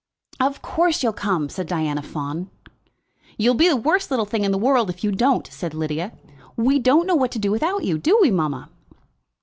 "Of course you'll come," said Diana Fawn. "You'll be the worst little thing in the world if you don't," said Lydia. "We don't know what to do without you. Do we, mamma?"